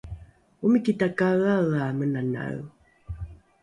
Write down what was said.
omiki takaeaea menanae